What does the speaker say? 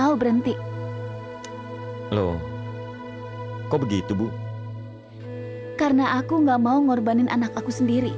untuk apa bu